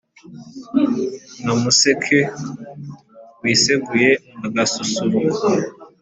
nk’umuseke wiseguye agasusuruko